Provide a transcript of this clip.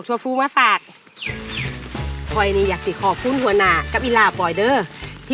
ช่วยกวนประสาทกูนั่นพูดที่นี่นะเมย์อืมเออถ้า